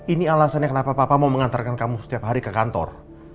ini alasannya kenapa papa mau mengantarkan kamu setiap hari ke kantor